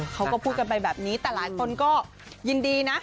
เขาก็พูดกันไปแบบนี้แต่หลายคนก็ยินดีนะ